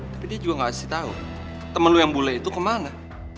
tapi dia juga gak ngasih tau temen lo yang bule itu kemana